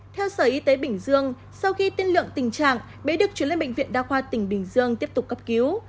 theo sở y tế bình dương sau khi tiên lượng tình trạng bé được chuyển lên bệnh viện đa khoa tỉnh bình dương tiếp tục cấp cứu